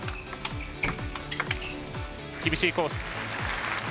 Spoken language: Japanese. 厳しいコース。